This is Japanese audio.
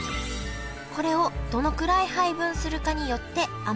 これをどのくらい配分するかによって甘みが決まります